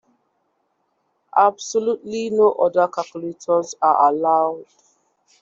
Absolutely no other calculators are allowed.